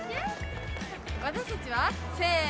私たちはせの。